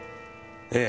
ええ。